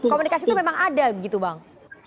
komunikasi itu memang ada begitu bang